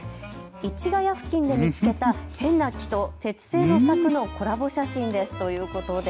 市谷付近で見つけた変な木と鉄製の柵のコラボ写真ですということです。